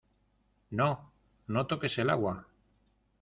no, no toques el agua.